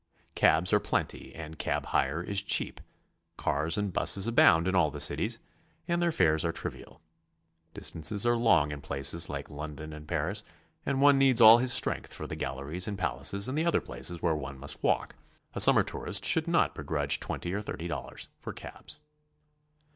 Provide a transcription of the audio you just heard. Cabs are plenty and cab hire is cheap; cars and busses abound in all the cities, and their fares are trivial. Distances are long in places like London and Paris, and one needs all his strength for the galleries and palaces and the other places where one must w^alk. A summer 'tourist should not begrudge twenty or thirty dollars for cabs.